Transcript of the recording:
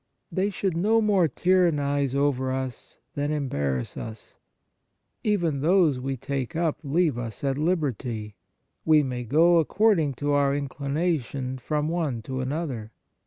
They should no more tyrannize over us than embarrass us; even those we take up leave us at liberty ; we may go, according to our inclina tion, from one to another.